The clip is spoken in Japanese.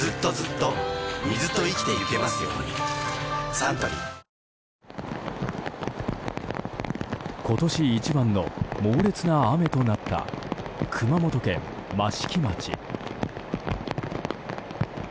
サントリー今年一番の猛烈な雨となった熊本県益城町。